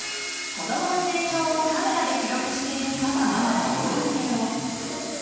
子どもの成長をカメラで記録しているパパママは多いけど。